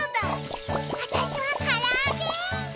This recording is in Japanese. わたしはからあげ！